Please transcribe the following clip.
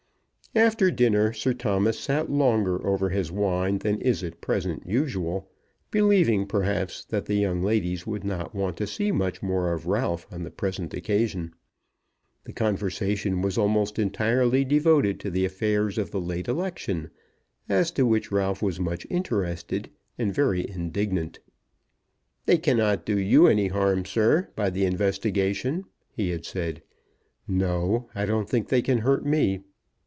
After dinner Sir Thomas sat longer over his wine than is at present usual, believing, perhaps, that the young ladies would not want to see much more of Ralph on the present occasion. The conversation was almost entirely devoted to the affairs of the late election, as to which Ralph was much interested and very indignant. "They cannot do you any harm, sir, by the investigation," he said. "No; I don't think they can hurt me."